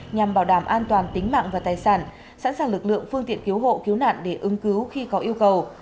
nhằm bảo đảm an toàn tính mạng và tài sản sẵn sàng lực lượng phương tiện cứu hộ cứu nạn để ứng cứu khi có yêu cầu